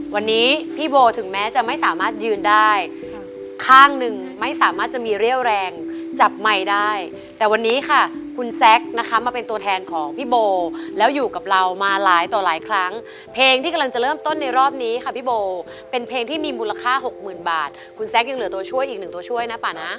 วันนี้พี่โบถึงแม้จะไม่สามารถยืนได้ข้างหนึ่งไม่สามารถจะมีเรี่ยวแรงจับไมค์ได้แต่วันนี้ค่ะคุณแซคนะคะมาเป็นตัวแทนของพี่โบแล้วอยู่กับเรามาหลายต่อหลายครั้งเพลงที่กำลังจะเริ่มต้นในรอบนี้ค่ะพี่โบเป็นเพลงที่มีมูลค่าหกหมื่นบาทคุณแซคยังเหลือตัวช่วยอีกหนึ่งตัวช่วยนะป่านะ